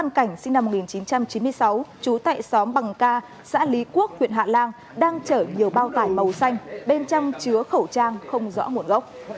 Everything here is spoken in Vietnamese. năm một nghìn chín trăm chín mươi sáu chú tệ xóm bằng ca xã lý quốc huyện hạ lan đang chở nhiều bao tải màu xanh bên trong chứa khẩu trang không rõ nguồn gốc